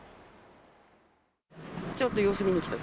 ちょっと様子見に来た。